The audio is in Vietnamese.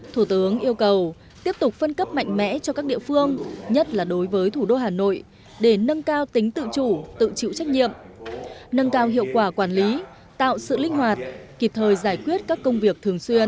thủ tướng yêu cầu tiếp tục phân cấp mạnh mẽ cho các địa phương nhất là đối với thủ đô hà nội để nâng cao tính tự chủ tự chịu trách nhiệm nâng cao hiệu quả quản lý tạo sự linh hoạt kịp thời giải quyết các công việc thường xuyên